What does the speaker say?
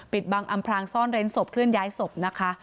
ปิดบังอำพรางซ่อนเร้นศพเคลื่อนย้ายศพนะคะ